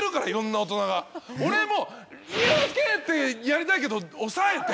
俺も「隆之介！」ってやりたいけど抑えて。